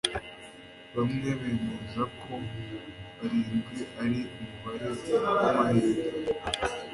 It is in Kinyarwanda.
Bamwe bemeza ko barindwi ari umubare wamahirwe